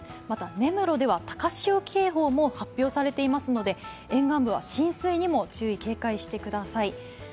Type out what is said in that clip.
また根室では高潮警報も発表されていますので沿岸部は浸水にも注意・警戒してください。